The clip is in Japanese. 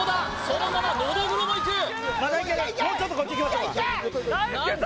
そのままノドグロもいく大輔さん